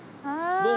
どうも。